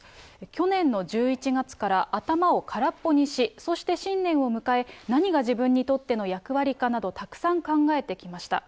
去年の１１月から、頭を空っぽにし、そして新年を迎え、何が自分にとっての役割かなどたくさん考えてきました。